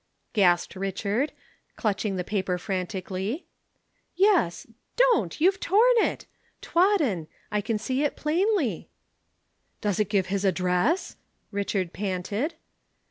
gasped Richard, clutching the paper frantically. "'Yes don't! You've torn it. Twaddon, I can see it plainly.' "'Does it give his address?' Richard panted.